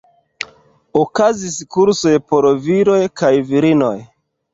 Okazis kursoj por viroj kaj virinoj.